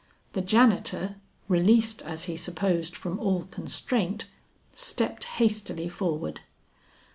The janitor, released as he supposed from all constraint, stepped hastily forward.